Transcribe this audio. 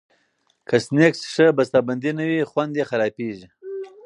که سنکس ښه بستهبندي نه وي، خوند یې خرابېږي.